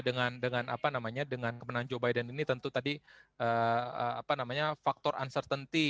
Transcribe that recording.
dengan kemenangan joe biden ini tentu tadi faktor uncertainty